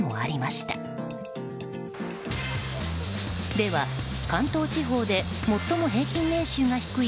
では、関東地方で最も平均年収が低い